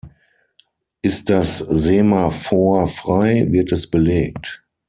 Ist das Semaphor frei, wird es belegt.